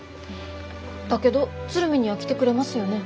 だけど鶴見には来てくれますよね？